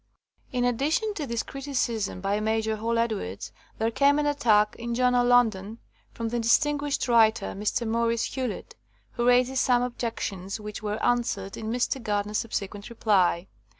In addition to this criticism by Major Hall Edwards there came an attack in John o* London from the distinguished writer Mr. Maurice Hewlett, who raises some ob jections which were answered in Mr. Gard ner's subsequent reply.